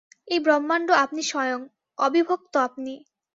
এই ব্রহ্মাণ্ড আপনি স্বয়ং, অবিভক্ত আপনি।